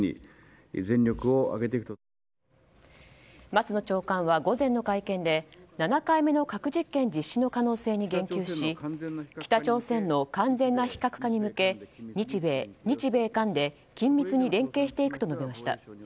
松野長官は午前の会見で７回目の核実験実施の可能性に言及し北朝鮮の完全な非核化に向け日米、日米韓で緊密に連携していくと述べました。